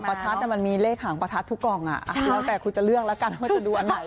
ประทัดมันมีเลขหางประทัดทุกกล่องแล้วแต่คุณจะเลือกแล้วกันว่าจะดูอันไหน